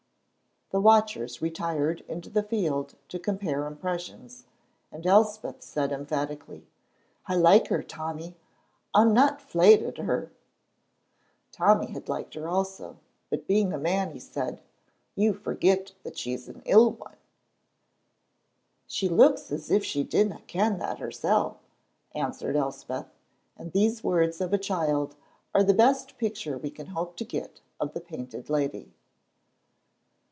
The watchers retired into the field to compare impressions, and Elspeth said emphatically, "I like her, Tommy, I'm not none fleid at her." Tommy had liked her also, but being a man he said, "You forget that she's an ill one." "She looks as if she didna ken that hersel'," answered Elspeth, and these words of a child are the best picture we can hope to get of the Painted Lady.